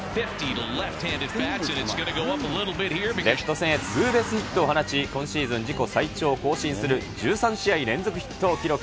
レフト線へツーベースヒットを放ち、今シーズン自己最長を更新する１３試合連続ヒットを記録。